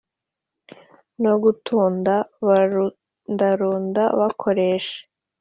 no gutunda barundarunda bakoresha